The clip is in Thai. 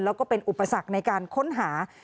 แล้วก็เป็นอุปสรรคในการค้นหา